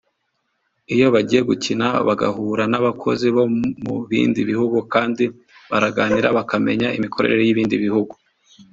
Iyo bagiye gukina bagahura n’abakozi bo mu bindi bihugu kandi baraganira bakamenya imikorere y’ibindi bihugu